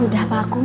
sudah pak akung